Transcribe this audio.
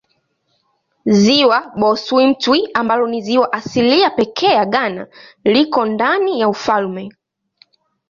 Ziwa Bosumtwi ambalo ni ziwa asilia pekee ya Ghana liko ndani ya ufalme.